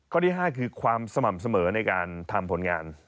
ที่๕คือความสม่ำเสมอในการทำผลงาน